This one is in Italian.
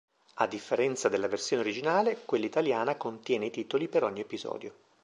A differenza della versione originale, quella italiana contiene i titoli per ogni episodio.